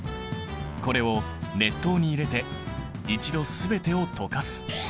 これを熱湯に入れて一度全てを溶かす。